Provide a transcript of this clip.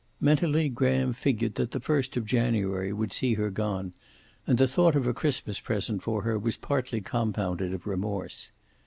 Mentally Graham figured that the first of January would see her gone, and the thought of a Christmas present for her was partly compounded of remorse.